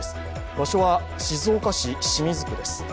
場所は静岡市清水区です。